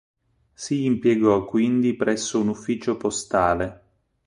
Si impiegò quindi presso un ufficio postale.